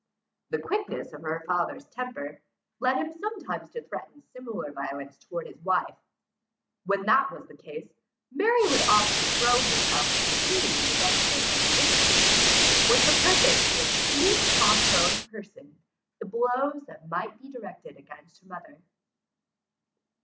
The quickness of her father's temper, led him sometimes to threaten similar violence towards his wife. When that was the case, Mary would often throw herself between the despot and his victim, with the purpose to receive upon her own person the blows that might be directed against her mother.